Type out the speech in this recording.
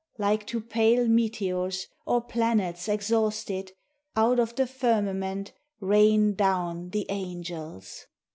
Like to pale meteors, or Planets exhausted, Out of the firmament Rain down the angels.